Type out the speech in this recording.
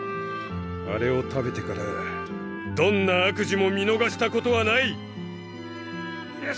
あれを食べてからどんな悪事も見のがしたことはない！